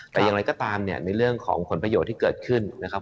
แต่อย่างไรก็ตามเนี่ยในเรื่องของผลประโยชน์ที่เกิดขึ้นนะครับ